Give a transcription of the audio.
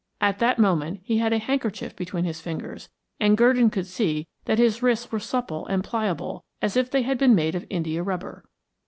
At that moment he had a handkerchief between his fingers, and Gurdon could see that his wrists were supple and pliable as if they had been made of india rubber.